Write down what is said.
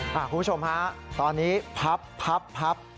คุณผู้ชมฮะตอนนี้พับพับ